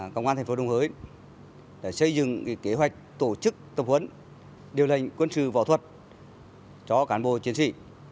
công an tp đồng hới xây dựng kế hoạch tổ chức tập huấn điều lệnh quân sự võ thuật cho cán bộ chiến sĩ